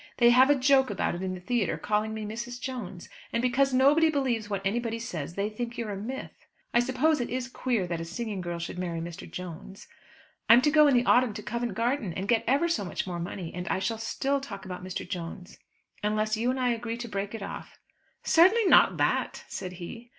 They have a joke about it in the theatre calling me Mrs. Jones; and because nobody believes what anybody says they think you're a myth. I suppose it is queer that a singing girl should marry Mr. Jones. I'm to go in the autumn to Covent Garden, and get ever so much more money, and I shall still talk about Mr. Jones, unless you and I agree to break it off." "Certainly not that," said he.